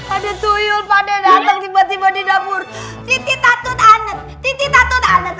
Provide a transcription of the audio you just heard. ada tuyul pada datang tiba tiba di dapur titik atut anet titik atut anet